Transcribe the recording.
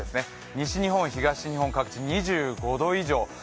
西日本、東日本、各地２５度以上。